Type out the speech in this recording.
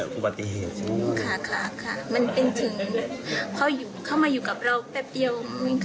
ขอบคุณครับมันเป็นถึงพอเข้ามาอยู่กับเราแป๊บเดียว